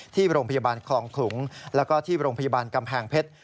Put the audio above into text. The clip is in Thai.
ที่โรงพยาบาลคลองขลุงแล้วก็ที่โรงพยาบาลกำแพงเพชร